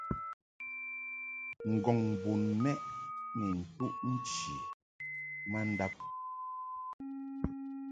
Ngɔ̀ŋ bon mɛʼ ni ntuʼ nchi ma ndab.